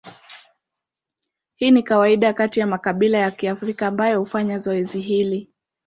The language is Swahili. Hii ni kawaida kati ya makabila ya Kiafrika ambayo hufanya zoezi hili.